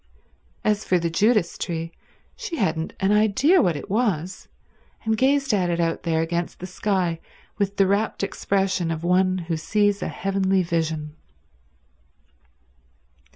As for the Judas tree, she hadn't an idea what it was, and gazed at it out there against the sky with the rapt expression of one who sees a heavenly vision.